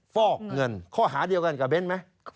ฟอกเงินข้อหาเดียวกันกับเบ้นไหม